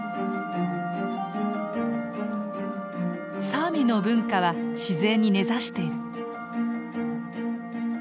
サーミの文化は自然に根ざしている。